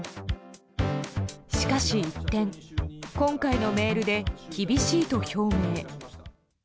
しかし一転今回のメールで厳しいと表明。